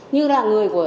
như là người